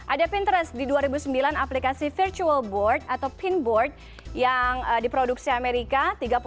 ada pinterest di dua ribu sembilan aplikasi virtual board atau pin board yang di produksi amerika